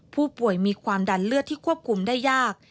ผู้ป่วยมีความดันเลือดที่ควบคุมได้ยาก